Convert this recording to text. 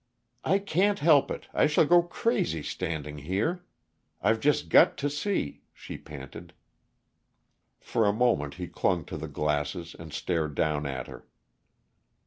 "I can't help it I shall go crazy standing here. I've just got to see!" she panted. For a moment he clung to the glasses and stared down at her.